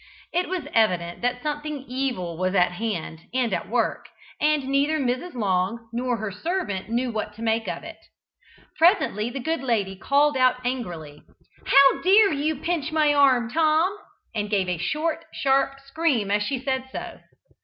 It was evident that something evil was at hand and at work, and neither Mrs. Long nor her servant knew what to make of it. Presently the good lady called out angrily, "How dare you pinch my arm, Tom?" and gave a short, sharp scream as she said so.